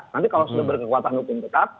nanti kalau sudah berkekuatan hukum tetap